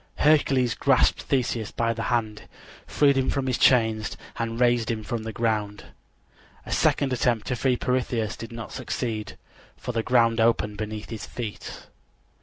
Hercules grasped Theseus by the hand, freed him from his chains and raised him from the ground. A second attempt to free Pirithous did not succeed, for the ground opened beneath his feet.